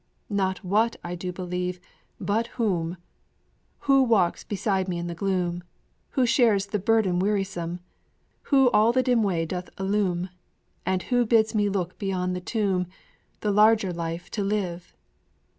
Not What I do believe, but Whom. Who walks beside me in the gloom? Who shares the burden wearisome? Who all the dim way doth illume, And bids me look beyond the tomb The larger life to live?